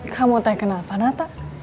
kamu teh kenapa nata